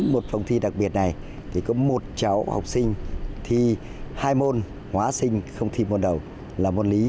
một phòng thi đặc biệt này thì có một cháu học sinh thi hai môn hóa sinh không thi môn đầu là môn lý